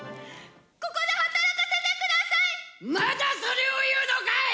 ここで働かせてください！